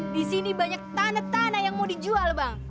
di sini banyak tanah tanah yang mau dijual bang